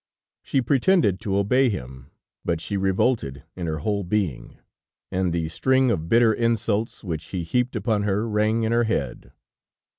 She pretended to obey him, but she revolted in her whole being, and the string of bitter insults which he heaped upon her rang in her head.